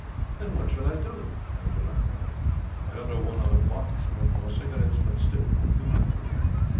Then what shall I do? I do not know. I order one other bock, and smoke more cigarettes, but still I do not know.